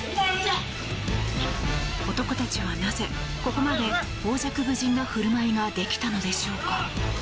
男たちはなぜここまで傍若無人な振る舞いが出来たのでしょうか？